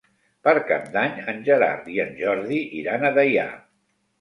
Per Cap d'Any en Gerard i en Jordi iran a Deià.